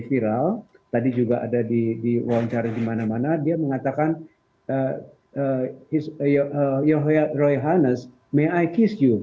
viral tadi juga ada di di wawancara di mana mana dia mengatakan your royal highness may i kiss you